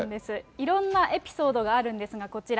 いろんなエピソードがあるんですが、こちら。